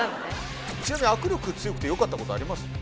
ちなみに握力強くてよかったことあります？